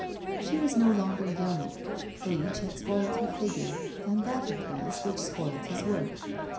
She was no longer young. Age had spoilt her figure, and that it was which spoilt his work.